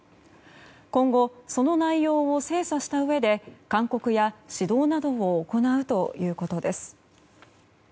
今後、その内容を精査したうえで勧告や指導などを行うということです。